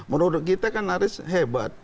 menurut kita kan pak arief hebat